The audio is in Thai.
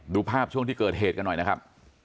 ดูภาพช่วงที่เกิดเหตุกันหน่อยนะครับ